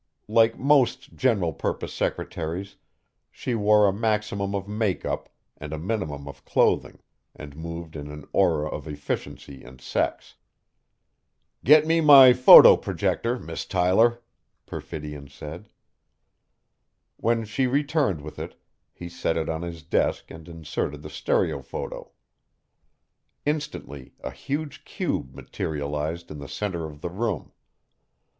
Like most general purpose secretaries, she wore a maximum of makeup and a minimum of clothing, and moved in an aura of efficiency and sex. "Get me my photo projector, Miss Tyler," Perfidion said. When she returned with it, he set it on his desk and inserted the stereophoto. Instantly, a huge cube materialized in the center of the room.